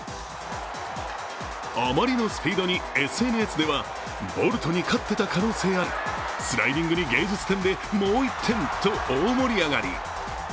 あまりのスピードにＳＮＳではボルトに勝ってた可能性ある、スライディングに芸術点でもう１点と大盛り上がり。